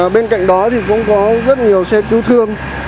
bên cạnh đó thì cũng có rất nhiều xe cứu thương